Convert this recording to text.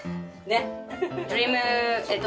ねっ。